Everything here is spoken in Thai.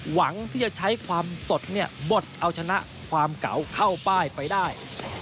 หวังที่จะใช้ความสดเนี่ยบดเอาชนะความเก่าเข้าป้ายไปได้